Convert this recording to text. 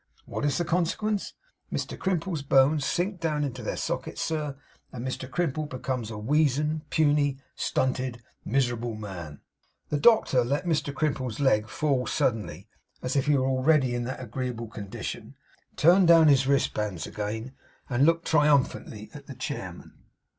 What is the consequence? Mr Crimple's bones sink down into their sockets, sir, and Mr Crimple becomes a weazen, puny, stunted, miserable man!' The doctor let Mr Crimple's leg fall suddenly, as if he were already in that agreeable condition; turned down his wristbands again, and looked triumphantly at the chairman.